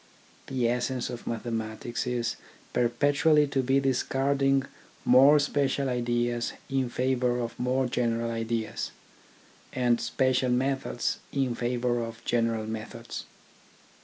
The essence of mathe matics is perpetually to be discarding more special ideas in favour of more general ideas, and special methods in favour of general methods.